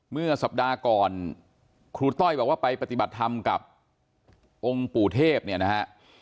เมื่อสัปดาห์ก่อนครูต้อยบอกว่าไปปฏิบัติธรรมกับองค์ปู่เทพเนี่ยนะฮะ